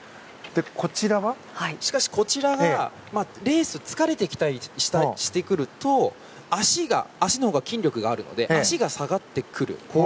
しかし、こちらがレースに疲れてきたりしてくると足のほうが筋力があるので足が下がってくる。